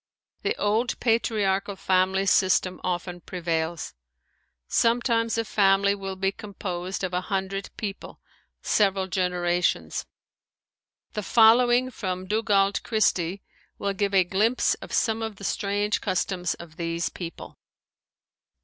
The old patriarchal family system often prevails. Sometimes a family will be composed of a hundred people several generations. The following from Dugald Christie will give a glimpse of some of the strange customs of these people.